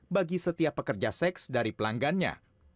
bagi setiap pekerja seks dari pelanggannya